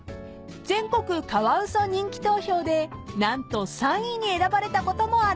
［全国カワウソ人気投票で何と３位に選ばれたこともあるそうです］